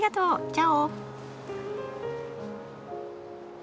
チャオ！